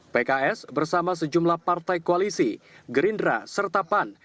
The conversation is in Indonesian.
pks bersama sejumlah partai koalisi gerindra serta pan